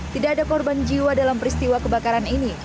tidak ada korban jiwa dalam peristiwa kebakaran ini